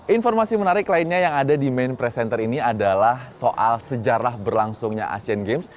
informasi menarik lainnya yang ada di main press center ini adalah soal sejarah berlangsungnya asian games